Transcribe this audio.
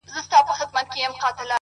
ښه نیت نیمه نیکي ده